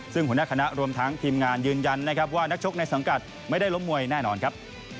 ซึ่งหัวหน้าคณะรวมทั้งทีมงานยืนยันนะครับว่านักชกในสังกัดไม่ได้ล้มมวยแน่นอนครับ